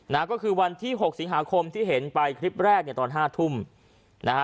นะฮะก็คือวันที่หกสิงหาคมที่เห็นไปคลิปแรกเนี่ยตอนห้าทุ่มนะฮะ